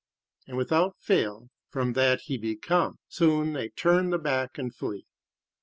And without fail, from that he be come, soon they turn the back, and flee.